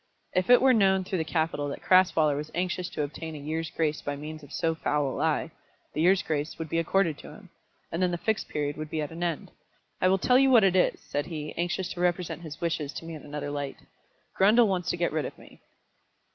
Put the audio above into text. If it were known through the capital that Crasweller was anxious to obtain a year's grace by means of so foul a lie, the year's grace would be accorded to him. And then the Fixed Period would be at an end. "I will tell you what it is," said he, anxious to represent his wishes to me in another light. "Grundle wants to get rid of me."